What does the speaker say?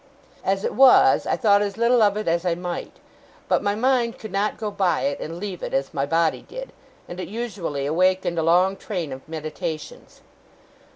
As it was, I thought as little of it as I might. But my mind could not go by it and leave it, as my body did; and it usually awakened a long train of meditations.